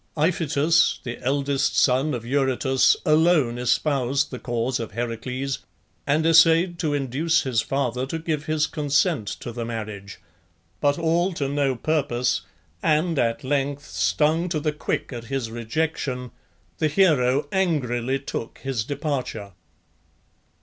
Iphitus, the eldest son of Eurytus, alone espoused the cause of Heracles, and essayed to induce his father to give his consent to the marriage; but all to no purpose, and at length, stung to the quick at his rejection, the hero angrily took his departure.